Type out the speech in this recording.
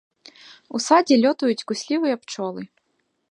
У садзе лётаюць куслівыя пчолы.